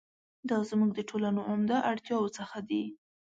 دا زموږ د ټولنو عمده اړتیاوو څخه دي.